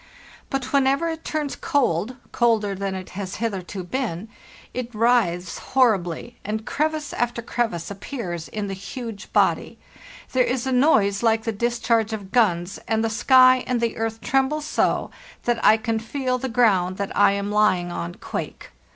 But whenever it turns cold—colder than it has hitherto been—it writhes horribly, and crevice after crevice appears in the huge body; there is a noise like the discharge of guns, and the sky and the earth tremble so that I can feel the ground that Iam lying on quake.